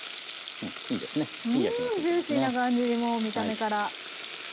うんジューシーな感じにもう見た目から。